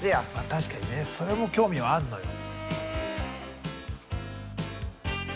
確かにねそれも興味はあんのよ。